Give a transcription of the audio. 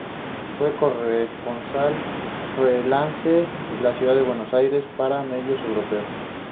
Fue corresponsal freelance en la Ciudad de Buenos Aires para medios europeos.